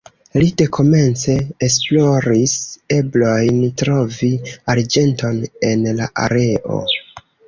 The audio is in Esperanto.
Li dekomence esploris eblojn trovi arĝenton en la areo.